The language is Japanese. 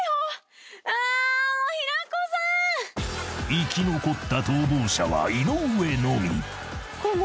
［生き残った逃亡者は井上のみ］